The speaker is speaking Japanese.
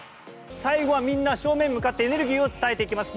最後はみんな正面に向かってエネルギーを伝えていきます。